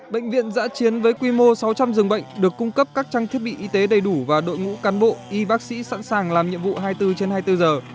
bệnh viện giã chiến với quy mô sáu trăm linh giường bệnh được cung cấp các trang thiết bị y tế đầy đủ và đội ngũ cán bộ y bác sĩ sẵn sàng làm nhiệm vụ hai mươi bốn trên hai mươi bốn giờ